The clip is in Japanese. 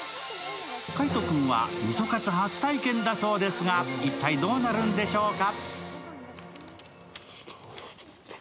海音君はみそかつ初体験だそうですが、一体どうなるんでしょうか？